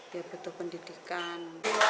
dia butuh pendidikan